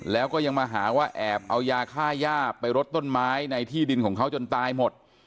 แล้วก็ยังมาหาว่าแอบเอายาค่าย่าไปรดต้นไม้ในที่ดินของเขาจนตายหมด